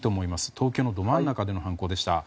東京のど真ん中での犯行でした。